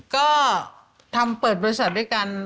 ก็ทำเปิดบตรศนียการ